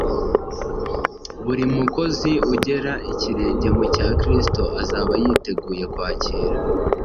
Buri mukozi ugera ikirenge mu cya Kristo azaba yiteguye kwakira